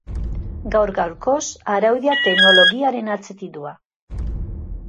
Gaur gaurkoz, araudia teknologiaren atzetik doa.